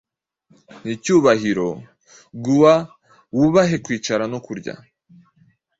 Nicyubahiro, gua wubahe kwicara no kurya